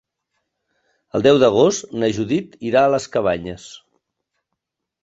El deu d'agost na Judit irà a les Cabanyes.